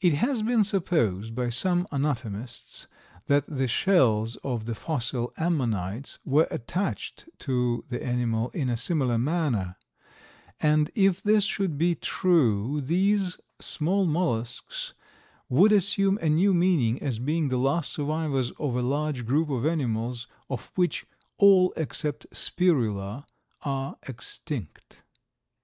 It has been supposed by some anatomists that the shells of the fossil Ammonites were attached to the animal in a similar manner, and if this should be true these small mollusks would assume a new meaning as being the last survivors of a large group of animals of which all except Spirula are extinct.